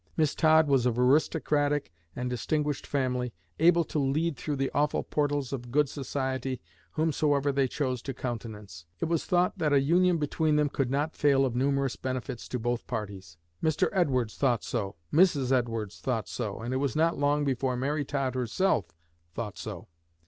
Miss Todd was of aristocratic and distinguished family, able to lead through the awful portals of 'good society' whomsoever they chose to countenance. It was thought that a union between them could not fail of numerous benefits to both parties. Mr. Edwards thought so; Mrs. Edwards thought so; and it was not long before Mary Todd herself thought so.